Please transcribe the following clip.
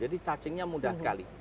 jadi charging nya mudah sekali